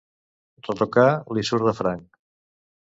Retocar li surt de franc.